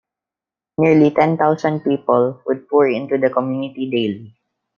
Nearly ten thousand people would pour into the community daily.